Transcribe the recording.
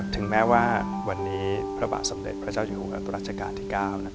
ถึงแม้ว่าวันนี้พระบาทสมเด็จพระเจ้าอยู่หัวตุรัชกาลที่๙